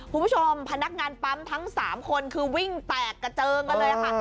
พนักงานปั๊มทั้ง๓คนคือวิ่งแตกกระเจิงกันเลยค่ะ